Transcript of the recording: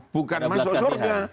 bukan masuk surga